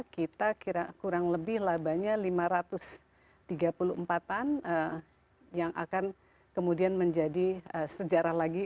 kita kurang lebih labanya lima ratus tiga puluh empat an yang akan kemudian menjadi sejarah lagi